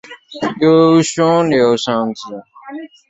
有兄刘尚质。